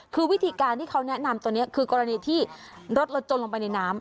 คือวิธีการที่เขาแนะนำตัวนี้คือกรณีที่รถเราจมลงไปในน้ำ